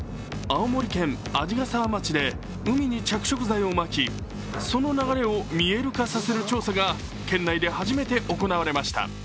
青森県鰺ヶ沢町で海に着色剤をまきその流れを見える化させる調査が県内で初めて行われました。